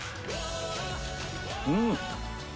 うん！